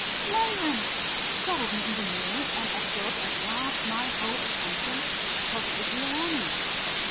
flay him!" troubled me even more and absorbed at last my whole attention, positively alarming me.